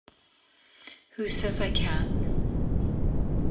Who says I can't?